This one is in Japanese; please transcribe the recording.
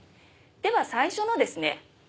では最初のですね